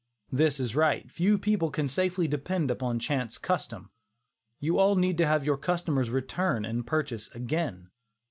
This is right. Few people can safely depend upon chance custom. You all need to have your customers return and purchase again.